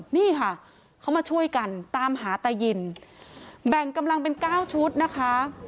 นี่ค่ะเขามาช่วยกันตามหาตายินแบ่งกำลังเป็น๙ชุดนะคะ